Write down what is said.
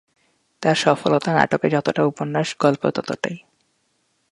তার সফলতা নাটকে যতটা উপন্যাস-গল্পেও ততটাই।